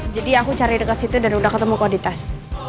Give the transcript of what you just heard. jadi aku cari deket situ dan udah ketemu kau di tas